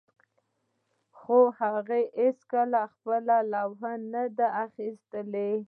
خو هغوی هیڅکله خپله لوحه نه ده اخیستې